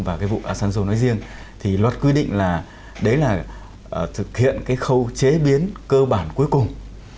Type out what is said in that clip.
và vụ asanzo nói riêng thì luật quy định là thực hiện khâu chế biến cơ bản cuối cùng